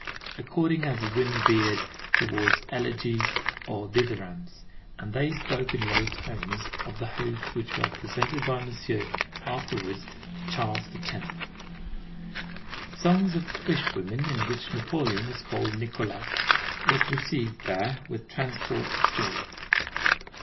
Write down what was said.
according as the wind veered towards elegy or dithyrambs; and they spoke in low tones of the hopes which were presented by Monsieur, afterwards Charles X. The songs of the fishwomen, in which Napoleon was called Nicolas, were received there with transports of joy.